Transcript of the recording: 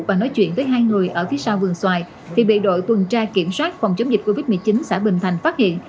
và nói chuyện với hai người ở phía sau vườn xoài thì bị đội tuần tra kiểm soát phòng chống dịch covid một mươi chín xã bình thành phát hiện